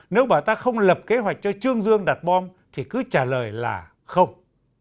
nếu bà ta không lập kế hoạch cho trương dương đặt bom thì cứ trả lời là không